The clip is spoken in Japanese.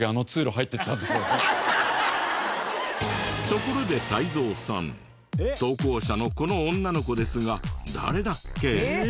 ところで泰造さん投稿者のこの女の子ですが誰だっけ？